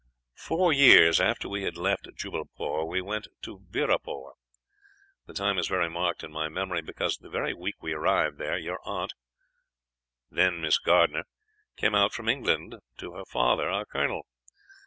Four years after we had left Jubbalpore we went to Beerapore. The time is very marked in my memory, because, the very week we arrived there, your aunt, then Miss Gardiner, came out from England, to her father, our colonel.